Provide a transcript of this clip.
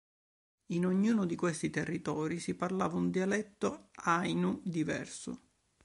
In ognuno di questi territori si parlava un dialetto Ainu diverso.